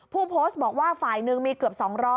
ผู้โพสต์บอกว่าฝ่ายหนึ่งมีเกือบ๒๐๐